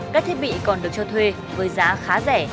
các thiết bị còn được cho thuê với giá khá rẻ